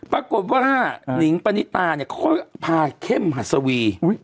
ปรากฏว่านิงปณิตาเนี่ยเขาพาเข้มหัสวี